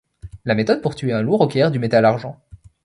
La méthode pour tuer un loup requiert du métal argent.